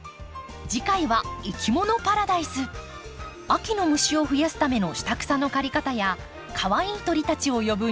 秋の虫を増やすための下草の刈り方やかわいい鳥たちを呼ぶ庭づくり。